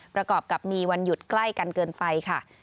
ประกอบกับมีวันหยุดใกล้กันเกินไปค่ะ